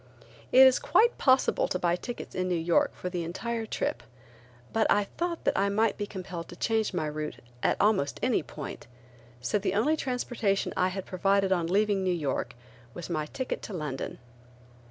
It is quite possible to buy tickets in New York for the entire trip, but I thought that I might be compelled to change my route at almost any point, so the only transportation I had provided on leaving New York was my ticket to London.